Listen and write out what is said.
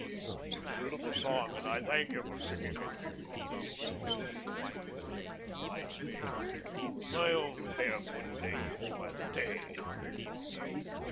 "It's a beautiful song, and I thank ye for singing it," Macdonald said simply. "It minds me of my own barefoot days by the Tay."